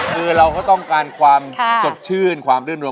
คือเราก็ต้องการความสดชื่นความรื่นนว